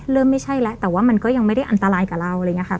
ไม่ใช่แล้วแต่ว่ามันก็ยังไม่ได้อันตรายกับเราอะไรอย่างนี้ค่ะ